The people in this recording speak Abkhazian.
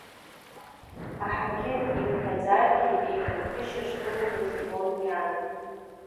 Аҳақьым имҳәаӡаргьы, еиқәырхашьа шлымамыз ибон иан.